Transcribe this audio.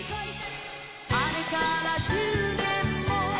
「あれから１０年も」